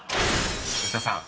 ［吉田さん